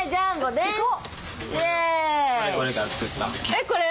えっこれ？